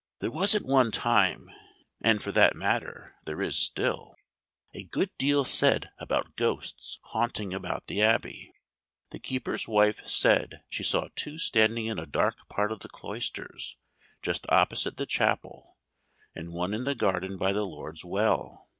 "There was at one time (and for that matter there is still) a good deal said about ghosts haunting about the Abbey. The keeper's wife said she saw two standing in a dark part of the cloisters just opposite the chapel, and one in the garden by the lord's well.